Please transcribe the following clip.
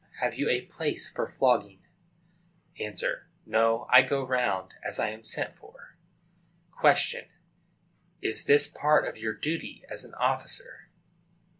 Have you a place for flogging? A. No. I go round, as I am sent for. Q. Is this part of your duty as an officer?